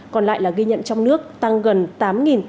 còn lại là ghi nhận trong nước tăng gần